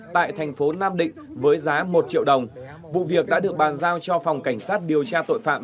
tại thành phố nam định với giá một triệu đồng vụ việc đã được bàn giao cho phòng cảnh sát điều tra tội phạm